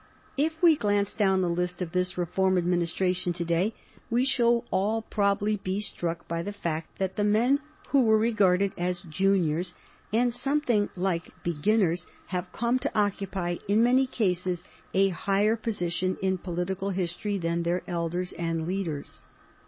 [Sidenote: 1830 The Reform Administration] If we glance down the list of this Reform Administration to day we shall all probably be struck by the fact that the men who were regarded as juniors and something like beginners have come to occupy, in many cases, a higher position in political history than their elders and leaders.